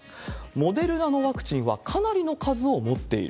モデルナのワクチンはかなりの数を持っている。